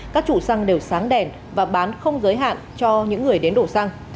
các chủ xăng đều sáng đèn và bán không giới hạn cho những người đến đổ xăng